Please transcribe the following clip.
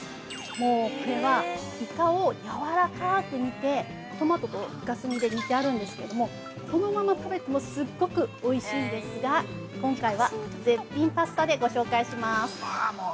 もう、これはイカをやわらかく煮て、トマトとイカスミで煮てあるんですけれども、このまま食べても、すっごくおいしいんですが、今回は絶品パスタでご紹介します。